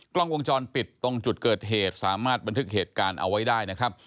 กล้องวงจรปิดตรงจุดเกิดเหตุสามารถบันทึกเหตุการณ์เอาไว้ได้นะครับ